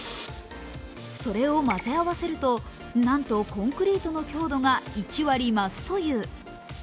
それを混ぜ合わせるとなんとコンクリートの強度が１割増すという。